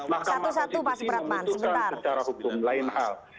maka masukan itu membutuhkan secara hukum lain hal